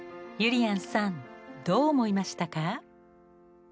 ゆりやんさんどう思いましたか？